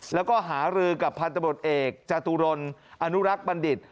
แล้วก็หารือกับพันธบทเอกจตุรนอนุรักษ์บัณฑิต